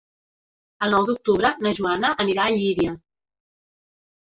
El nou d'octubre na Joana anirà a Llíria.